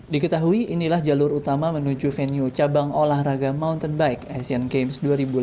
diketahui inilah jalur utama menuju venue cabang olahraga mountain bike asian games dua ribu delapan belas